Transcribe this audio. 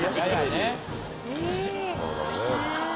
そうだね。